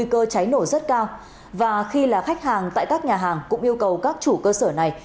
các nhà hàng tại các nhà hàng cũng yêu cầu các chủ cơ sở này